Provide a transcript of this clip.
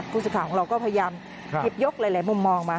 ผู้สิทธิ์ของเราก็พยายามเห็นยกหลายมุมมองมา